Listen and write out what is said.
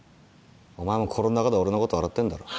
お前も心の中では俺のこと笑ってんだろ？